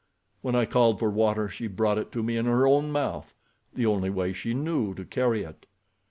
"When I called for water she brought it to me in her own mouth—the only way she knew to carry it.